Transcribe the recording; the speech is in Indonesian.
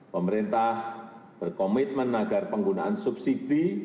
pemerintah berkomitmen agar penggunaan subsidi